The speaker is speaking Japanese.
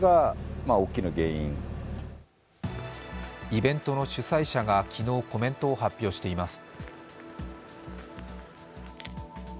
イベントの主催者が昨日、コメントを発表しています。